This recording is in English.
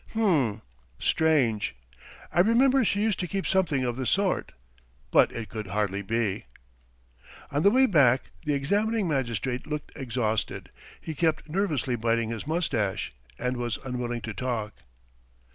"H'm, strange. I remember she used to keep something of the sort .... But it could hardly be." On the way back the examining magistrate looked exhausted, he kept nervously biting his moustache, and was unwilling to talk.